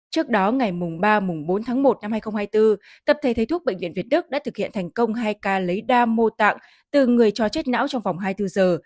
trước đó ngày ba bốn tháng một năm hai nghìn hai mươi bốn tập thể thấy thuốc bệnh viện việt đức đã thực hiện thành công hai ca lấy đa mô tạng từ người cho chết não trong vòng hai mươi bốn giờ